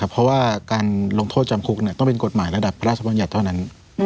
เพราะว่าการลงโทษจำคุกต้องเป็นกฎหมายระดับพระราชบัญญัติเท่านั้น